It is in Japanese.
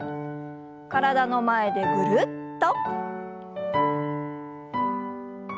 体の前でぐるっと。